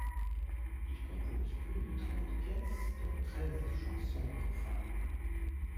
Il compose plus de trente pièces, dont treize chansons profanes.